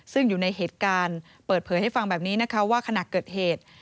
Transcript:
ซึ่งอยู่ในเหตุการณ์เปิดเผยให้ฟังแบบนี้นะคะว่าขณะเกิดเหตุ